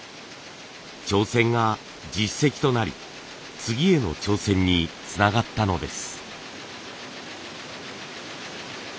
挑戦が実績となり次への挑戦につながったのです。